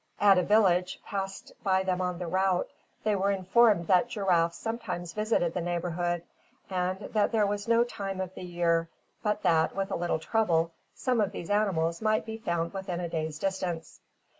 At a village, passed by them on the route, they were informed that giraffes sometimes visited the neighbourhood, and that there was no time of the year, but that, with a little trouble, some of these animals might be found within a day's distance.